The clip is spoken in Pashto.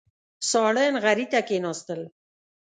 ساړه نغري ته کېناستل.